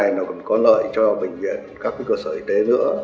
điều này còn có lợi cho bệnh viện các cơ sở y tế nữa